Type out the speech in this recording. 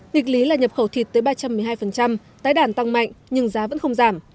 nghịch lý là nhập khẩu thịt tới ba trăm một mươi hai tái đàn tăng mạnh nhưng giá vẫn không giảm